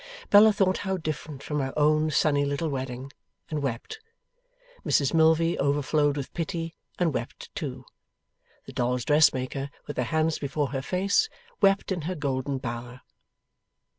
Bella thought how different from her own sunny little wedding, and wept. Mrs Milvey overflowed with pity, and wept too. The dolls' dressmaker, with her hands before her face, wept in her golden bower.